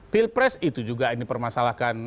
pilpres itu juga yang dipermasalahkan